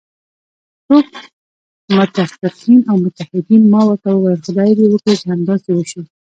څوک؟ متفقین او متحدین، ما ورته وویل: خدای دې وکړي چې همداسې وشي.